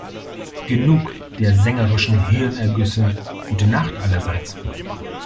Genug der sängerischen Hirnergüsse - gute Nacht, allerseits.